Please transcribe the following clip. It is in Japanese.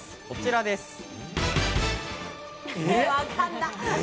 こちらです。